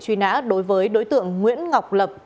truy não đối với đối tượng nguyễn ngọc lập